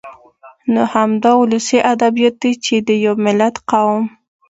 نو همدا ولسي ادبيات دي چې د يوه ملت ، قوم